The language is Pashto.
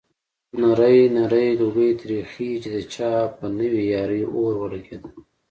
نری نری لوګی ترې خيږي د چا په نوې يارۍ اور ولګېدنه